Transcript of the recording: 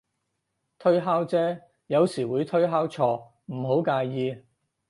推敲啫，有時會推敲錯，唔好介意